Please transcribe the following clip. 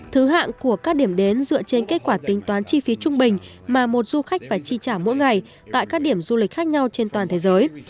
thứ hạng của các điểm đến dựa trên kết quả tính toán chi phí trung bình mà một du khách phải chi trả mỗi ngày tại các điểm du lịch khác nhau trên toàn thế giới